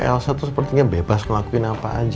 dari kecil sampai elsa sepertinya bebas ngelakuin apa aja